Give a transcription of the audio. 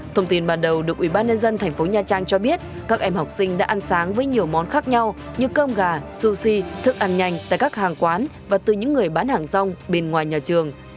thông tin ban đầu được ubnd tp nha trang cho biết các em học sinh đã ăn sáng với nhiều món khác nhau như cơm gà sushi thức ăn nhanh tại các hàng quán và từ những người bán hàng rong bên ngoài nhà trường